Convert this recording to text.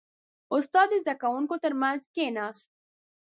• استاد د زده کوونکو ترمنځ کښېناست.